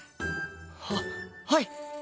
ははい！